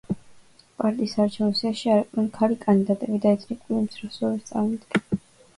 პარტიის საარჩევნო სიაში არ იყვნენ ქალი კანდიდატები და ეთნიკური უმცირესობების წარმომადგენლები.